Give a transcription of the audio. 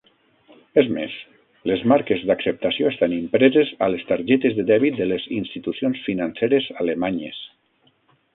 És més, les marques d'acceptació estan impreses a les targetes de dèbit de les institucions financeres alemanyes.